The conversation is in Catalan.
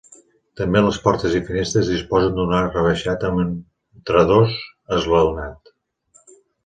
També les portes i finestres disposen d'arc rebaixat amb intradós esglaonat.